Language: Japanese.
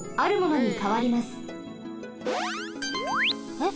えっ？